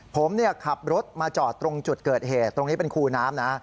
ผมขับรถมาจอดตรงจุดเกิดเหตุตรงนี้เป็นคูน้ำนะ